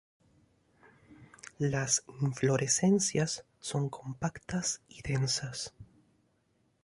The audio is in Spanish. Las inflorescencias son compactas y densas.